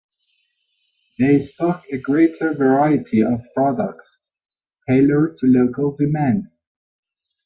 They stock a greater variety of products, tailored to local demand.